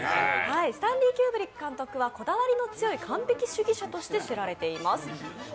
スタンリー・キューブリック監督はこだわりの強い完璧主義者として知られています。